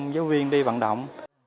giáo viên đi vận động